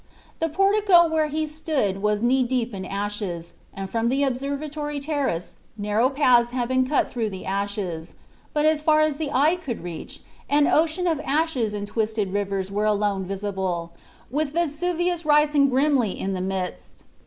The portico where he stood was knee deep in ashes, and from the observatory terrace narrow paths had been cut through the ashes, but as far as the eye could reach an ocean of ashes and twisted rivers were alone visible, with Vesuvius rising grimly in the midst.